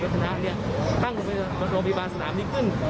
พรุ่งพยาบาลสนามนี้ขึ้น